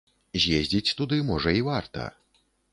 З'ездзіць туды, можа, і варта.